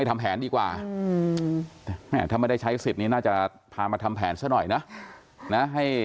ถ้าไม่ได้ใช้สิทธิ์นี้น่าจะพามาทำแผนซะหน่อยนะ